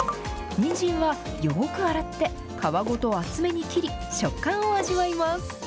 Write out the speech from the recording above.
ニンジンはよく洗って、皮ごと厚めに切り、食感を味わいます。